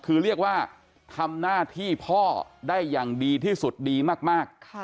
คือเรียกว่าทำหน้าที่พ่อได้อย่างดีที่สุดดีมาก